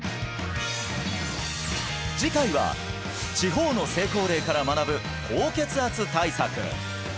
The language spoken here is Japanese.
次回は地方の成功例から学ぶ高血圧対策！